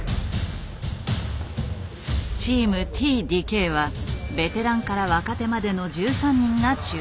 チームＴ・ＤＫはベテランから若手までの１３人が中心メンバー。